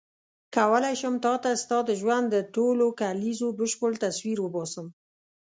کولای شم تا ته ستا د ژوند د ټولو کلیزو بشپړ تصویر وباسم.